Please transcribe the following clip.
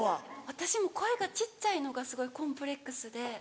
私も声が小っちゃいのがすごいコンプレックスで。